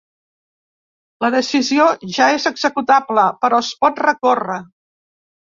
La decisió ja és executable, però es pot recórrer.